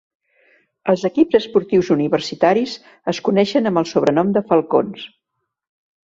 Els equips esportius universitaris es coneixen amb el sobrenom de Falcons.